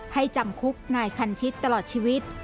จำคุกนายคันชิตตลอดชีวิต